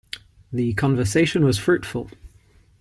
The conversation was fruitful.